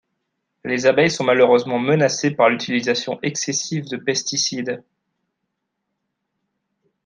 Les abeilles sont malheureusement menacées par l'utilisation excessive de pesticides.